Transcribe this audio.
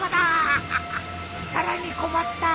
さらにこまった。